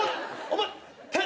お前！